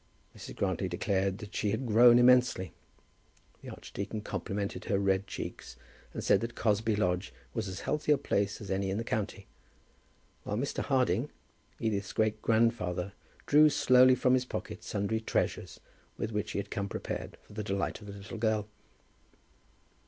Mrs. Grantly declared that she had grown immensely. The archdeacon complimented her red cheeks, and said that Cosby Lodge was as healthy a place as any in the county, while Mr. Harding, Edith's great grandfather, drew slowly from his pocket sundry treasures with which he had come prepared for the delight of the little girl.